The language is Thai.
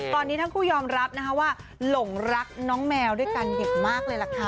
ตอนนี้ทั้งคู่ยอมรับนะคะว่าหลงรักน้องแมวด้วยกันอย่างมากเลยล่ะค่ะ